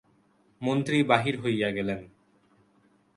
মন্ত্রী বাহির হইয়া গেলেন।